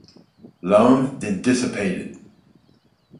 Ione then dissipated.